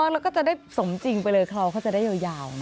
แล้วก็จะได้สมจริงไปเลยคราวเขาจะได้ยาว